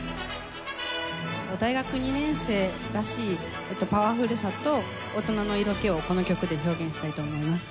大学２年生らしいパワフルさと大人の色気をこの曲で表現したいと思います。